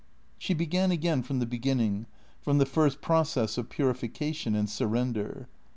She began again from the beginning, from the first process of purification and surrender.